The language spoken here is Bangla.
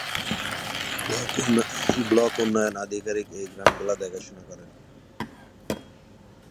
ব্লক উন্নয়ন আধিকারিক এই গ্রামগুলির দেখাশোনা করেন।